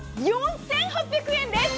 １万４８００円です！